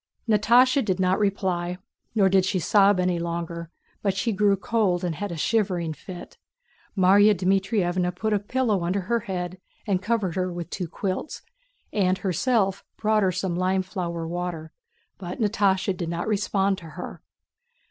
Natásha did not reply, nor did she sob any longer, but she grew cold and had a shivering fit. Márya Dmítrievna put a pillow under her head, covered her with two quilts, and herself brought her some lime flower water, but Natásha did not respond to her.